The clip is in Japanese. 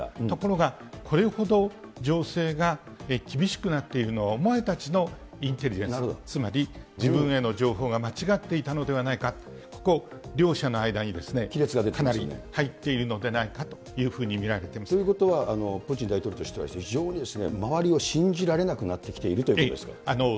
ところがこれほど情勢が厳しくなっているのは、お前たちのインテリジェンス、つまり自分への情報が間違っていたのではないか、両者の間に亀裂がかなり入っているのではないかというふうに見らということはプーチン大統領としては、非常に周りを信じられなくなってきているということですか。